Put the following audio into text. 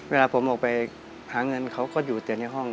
เวลาผมออกไปหาเงินเขาก็อยู่แต่ในห้อง